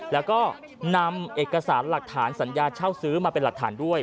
แล้วก็นำเอกสารหลักฐานสัญญาเช่าซื้อมาเป็นหลักฐานด้วย